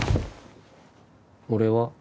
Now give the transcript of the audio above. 俺は？